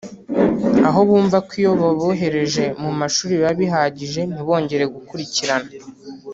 aho bumva ko iyo babohereje mu mashuri biba bihagije ntibongere gukurikirana